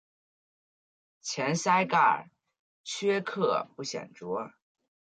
前鳃盖缺刻不显着。